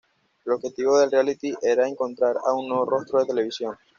El objetivo del reality era encontrar a un nuevo rostro de televisión.